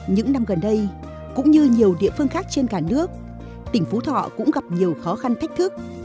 những năm gần đây cũng như nhiều địa phương khác trên cả nước tỉnh phú thọ cũng gặp nhiều khó khăn thách thức